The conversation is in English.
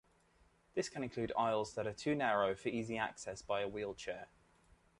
This can include aisles that are too narrow for easy access by a wheelchair.